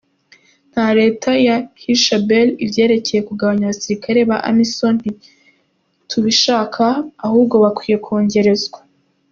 " Nka reta ya Hirshabelle, ivyerekeye kugabanya abasirikare ba Amisom ntitubishaka ahubwo bakwiye kwongerezwa".